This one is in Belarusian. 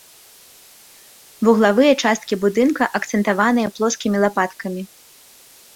Вуглавыя часткі будынка акцэнтаваныя плоскімі лапаткамі.